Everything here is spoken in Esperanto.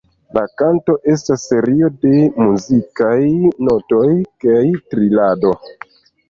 La kanto estas serio de muzikaj notoj kaj trilado.